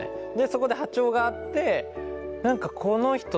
そこで波長が合って。